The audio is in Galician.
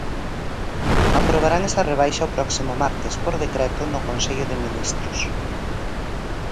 Aprobarán esa rebaixa o próximo martes, por decreto, no Consello de Ministros.